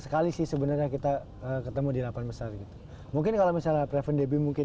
sekali sih sebenarnya kita ketemu di delapan besar gitu mungkin kalau misalnya preven debbie mungkin